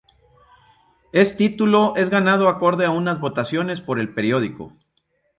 Es título es ganado acorde a unas votaciones por el periódico.